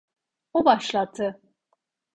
O başlattı.